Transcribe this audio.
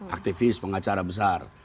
aktivis pengacara besar